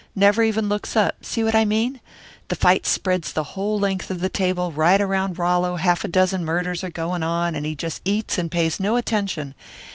Never even looks up, see what I mean? The fight spreads the whole length of the table; right around Rollo half a dozen murders are going on and he just eats and pays no attention.